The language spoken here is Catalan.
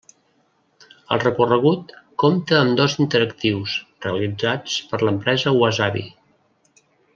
El recorregut compta amb dos interactius, realitzats per l'empresa Wasabi.